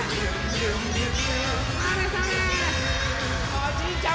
おじいちゃん